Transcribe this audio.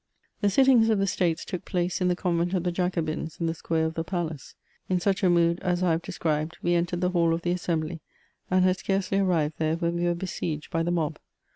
The sittings of the States took place in the Convent of the Jacobins, in the square of the palace. In such a mood as I have described, we entered the hall of the assembly, and had scarcely arrived there when we were besieged by the mob.